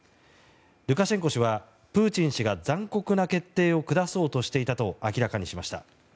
ルカシェンコ氏はプーチン氏が残酷な決定を下そうとしていたと明らかにしました。